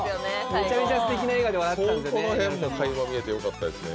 めちゃめちゃすてきな笑顔で笑ってたんですよね